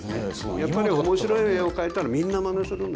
やっぱり面白い絵を描いたらみんなまねするんです。